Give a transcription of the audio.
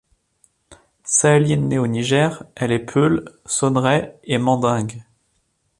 Sahélienne née au Niger, elle est Peuhl, Sonrhay et Mandingue.